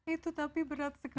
itu tapi berat sekali